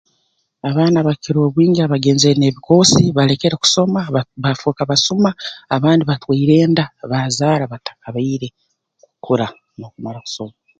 Abaana abakukira obwingi abagenzere n'ebikoosi balekere kusoma baa baafooka basuma abandi batwaire enda baazaara batakabaire kukura n'okumara kusoma